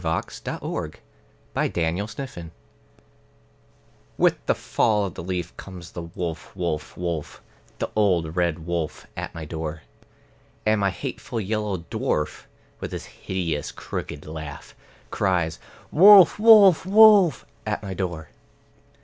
The Red Wolf With the fall of the leaf comes the wolf, wolf, wolf, The old red wolf at my door. And my hateful yellow dwarf, with his hideous crooked laugh, Cries "Wolf, wolf, wolf!" at my door.